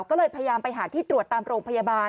ก็เลยพยายามไปหาที่ตรวจตามโรงพยาบาล